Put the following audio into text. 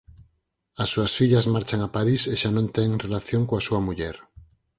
As súas fillas marchan a París e xa non ten relación coa súa muller.